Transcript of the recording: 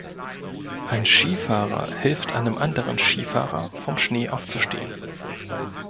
Ein Skifahrer hilft einem anderen Skifahrer, vom Schnee aufzustehen.